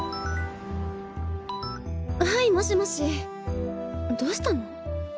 はいもしもしどうしたの？